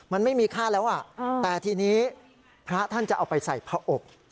มันไม่มีค่าแล้วแต่ทีนี้พระท่านจะเอาไปใส่พระอบ